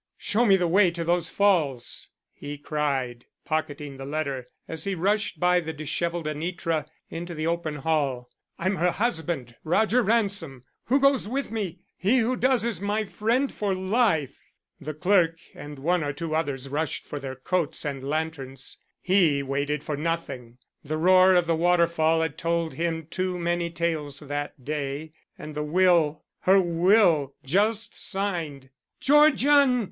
"Show me the way to those falls," he cried, pocketing the letter as he rushed by the disheveled Anitra into the open hall. "I'm her husband, Roger Ransom. Who goes with me? He who does is my friend for life." The clerk and one or two others rushed for their coats and lanterns. He waited for nothing. The roar of the waterfall had told him too many tales that day. And the will! Her will just signed! "Georgian!"